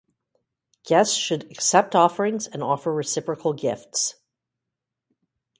Guests should accept offerings and offer reciprocal gifts.